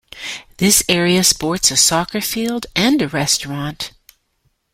This area sports a soccer field and a restaurant.